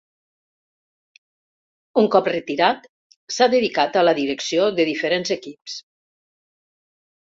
Un cop retirat, s'ha dedicat a la direcció de diferents equips.